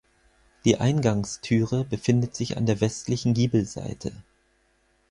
Die Eingangstüre befindet sich an der westlichen Giebelseite.